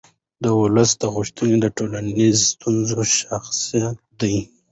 د ولس غوښتنې د ټولنیزو ستونزو شاخص دی